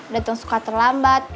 datang suka terlambat